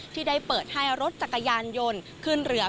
ที่ได้เปิดให้รถจักรยานยนต์ขึ้นเรือ